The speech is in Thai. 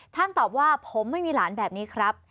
ตอบว่าผมไม่มีหลานแบบนี้ครับ